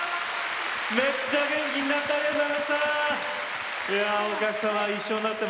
めっちゃ、元気になった！